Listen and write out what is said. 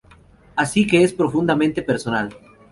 Así que es profundamente personal.